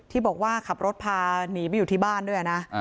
ที่บอกว่าขับรถพาหนีไปอยู่ที่บ้านด้วยนะ